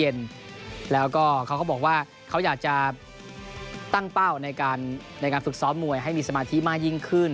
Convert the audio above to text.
แล้วก็เขาก็บอกว่าเขาอยากจะตั้งเป้าในการฝึกซ้อมมวยให้มีสมาธิมากยิ่งขึ้น